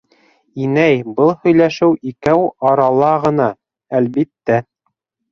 Инәй, был һөйләшеү икәү арала ғына, әлбиттә.